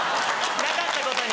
なかったことに。